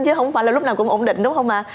chứ không phải là lúc nào cũng ổn định đúng không ạ